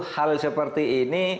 hal seperti ini